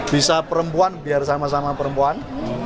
bisa perempuan biar sama sama perempuan